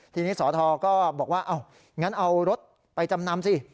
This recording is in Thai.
ทีนี้สทก็บอกว่างั้นเอารถไปจำนำสิ